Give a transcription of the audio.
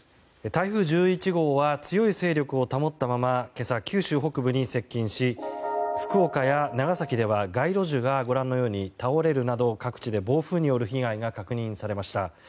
台風１１号は強い勢力を保ったまま今朝、九州北部に接近し福岡や長崎では街路樹が倒れるなど各地で暴風による被害が確認されました。